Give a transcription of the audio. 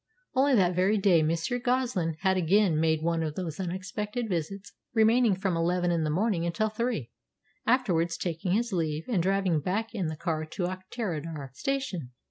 Only that very day Monsieur Goslin had again made one of those unexpected visits, remaining from eleven in the morning until three; afterwards taking his leave, and driving back in the car to Auchterarder Station.